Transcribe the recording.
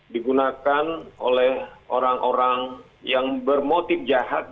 digunakan oleh orang orang yang bermotif jahat